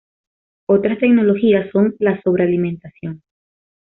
Otras tecnologías son la sobrealimentación.